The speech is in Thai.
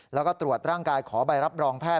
แล้วก็ตรวจร่างกายขอใบรับรองแพทย